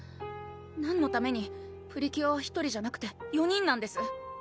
何のためにプリキュアは１人じゃなくて４人なんです？